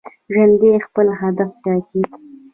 ژوندي خپل هدف ټاکي